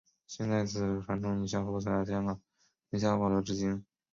现时此传统女校服只在香港联校保留至今。